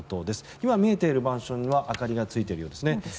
今、見えているマンションは明かりがついているようですね。